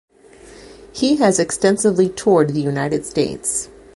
He has extensively toured the United States.